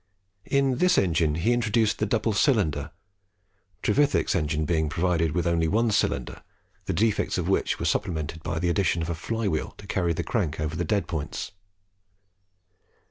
In this engine he introduced the double cylinder Trevithick's engine being provided with only one cylinder, the defects of which were supplemented by the addition of a fly wheel to carry the crank over the dead points.